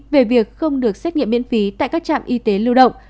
về việc không được xét nghiệm miễn phí tại các trạm y tế lưu động